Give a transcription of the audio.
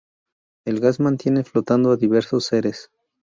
El gas mantiene flotando a diversos seres.